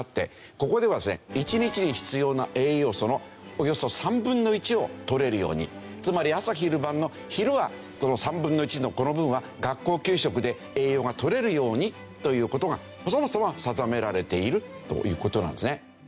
ここではですね１日に必要な栄養素のおよそ３分の１をとれるようにつまり朝昼晩の昼はこの３分の１のこの分は学校給食で栄養がとれるようにという事がそもそも定められているという事なんですね。